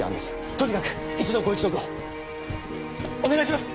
とにかく一度ご一読をお願いします！